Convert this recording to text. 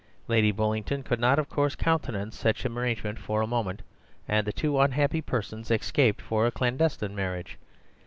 Lady Bullingdon could not, of course, countenance such an arrangement for a moment, and the two unhappy persons escaped for a clandestine marriage.